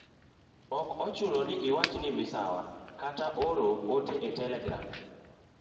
Ok ochuno ni iwach ni misawa kata oro ote e telegram.